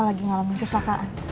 lagi ngalamin kesalahan